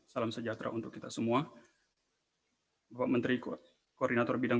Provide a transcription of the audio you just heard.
salam sejahtera untuk kita semua bapak menteri koordinator bidang